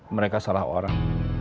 mereka salah orang